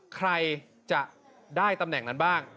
ใครจะได้ตำแหน่งนั้นบ้าง